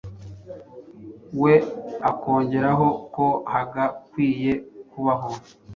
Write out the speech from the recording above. we akongeraho ko hagakwiye kubaho